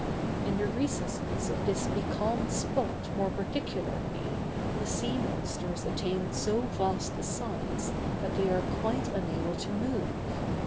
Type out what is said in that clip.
In the recesses of this becalmed spot more particularly, the sea monsters attain so vast a size that they are quite unable to move.